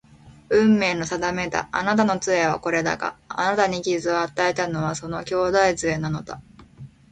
運命の定めだ。あなたの杖はこれだが、あなたに傷を与えたのはその兄弟杖なのだ